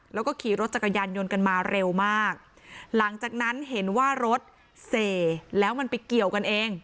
แล้วก็ขี่รถจักรยานยนต์กันมาเร็วมากหลังจากนั้นเห็นว่ารถเสแล้วมันไปเกี่ยวกันเอง